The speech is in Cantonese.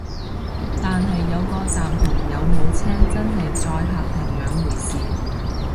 但係有個站同有冇車真係載客係兩回事